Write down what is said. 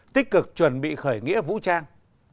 tích cực chuẩn bị khởi nghĩa vũ trang